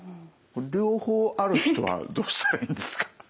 これ両方ある人はどうしたらいいんですか？